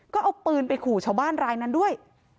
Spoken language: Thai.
ก็เอาปืนไปขู่ชาวบ้านรายนั้นด้วย